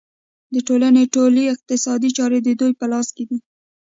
د ټولنې ټولې اقتصادي چارې د دوی په لاس کې دي